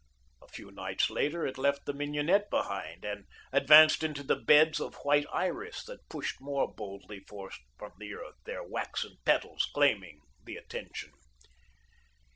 A few nights later it left the mignonette behind, and advanced into the beds of white iris that pushed more boldly forth from the earth, their waxen petals claiming the attention.